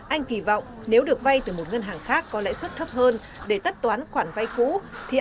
anh kỳ vọng nếu được vay từ một ngân hàng thương mại